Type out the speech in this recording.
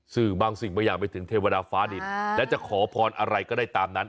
สื่อบางสิ่งบางอย่างไปถึงเทวดาฟ้าดินและจะขอพรอะไรก็ได้ตามนั้น